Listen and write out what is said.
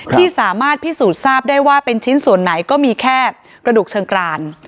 ที่สามารถพิสูจน์ทราบได้ว่าเป็นชิ้นส่วนไหนก็มีแค่กระดูกเชิงกราน